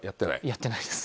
やってないです。